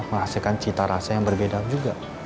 menghasilkan cita rasa yang berbeda juga